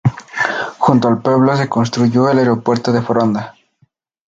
Junto al pueblo se construyó el aeropuerto de Foronda.